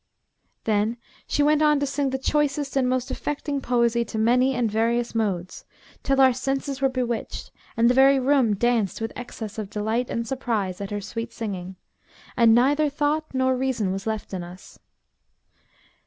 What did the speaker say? Then she went on to sing the choicest and most affecting poesy to many and various modes, till our senses were bewitched and the very room danced with excess of delight and surprise at her sweet singing; and neither thought nor reason was left in us.